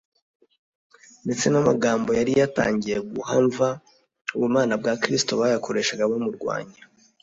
Ndetse n'amagambo yari yatangiye guhamva ubumana bwa Kristo bayakoreshaga bamurwanya.